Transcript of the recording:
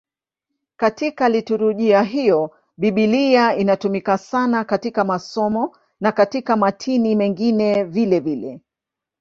Katika liturujia hiyo Biblia inatumika sana katika masomo na katika matini mengine vilevile.